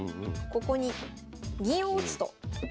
ここに銀を打つと。